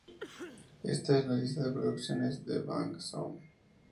Ésta es un lista con las producciones de Bang Zoom!.